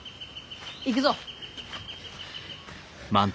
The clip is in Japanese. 行くぞ。